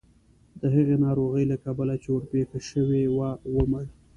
د هغې ناروغۍ له کبله چې ورپېښه شوې وه ومړ.